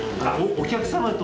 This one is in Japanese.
お客様と。